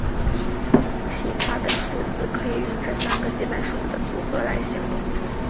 其他的数字可以用这三个基本数字的组合来形容。